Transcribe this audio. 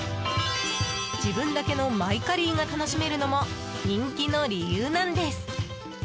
自分だけのマイカリーが楽しめるのも人気の理由なんです。